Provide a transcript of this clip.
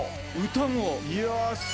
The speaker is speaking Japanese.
歌も。